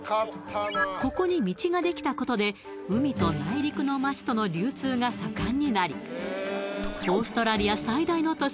ここに道ができたことで海と内陸の街との流通が盛んになりオーストラリア最大の都市